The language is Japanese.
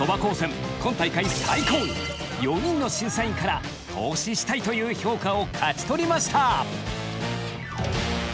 今大会最高４人の審査員から投資したいという評価を勝ち取りました。